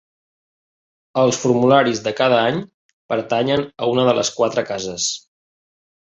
Els formularis de cada any pertanyen a una de les quatre cases.